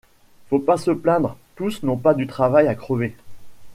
Faut pas se plaindre, tous n’ont pas du travail à crever.